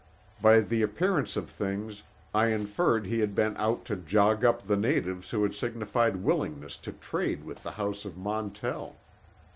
By the appearance of things I inferred that he had been out to jog up the natives who had signified willingness to trade with the house of Montell.